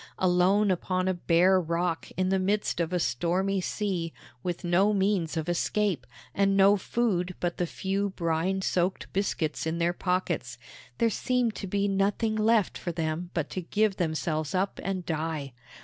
Alone upon a bare rock in the midst of a stormy sea, with no means of escape, and no food but the few brine soaked biscuits in their pockets, there seemed to be nothing left for them but to give themselves up and die.